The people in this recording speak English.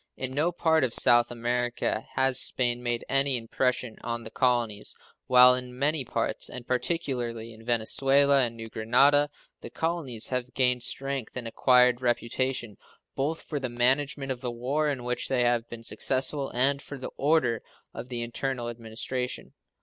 In no part of South America has Spain made any impression on the colonies, while in many parts, and particularly in Venezuela and New Grenada, the colonies have gained strength and acquired reputation, both for the management of the war in which they have been successful and for the order of the internal administration.